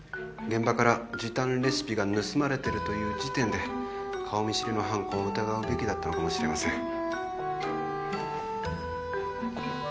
現場から時短レシピが盗まれてるという時点で顔見知りの犯行を疑うべきだったのかもしれません。